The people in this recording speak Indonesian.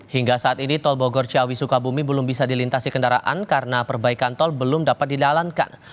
hingga saat ini tol bogor ciawi sukabumi belum bisa dilintasi kendaraan karena perbaikan tol belum dapat didalankan